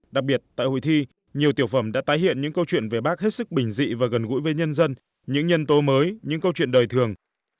đặc biệt tại hội thi nhiều tiểu phẩm đã tái hiện những câu chuyện về bác hết sức bình dị và gần gũi với nhân dân những nhân tố mới những câu chuyện đời thường